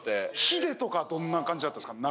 ヒデとかどんな感じだったんですか？